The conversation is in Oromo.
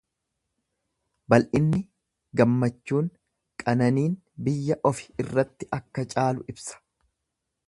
Bal'inni, gammachuun, qananiin biyya ofi irratti akka caalu ibsa.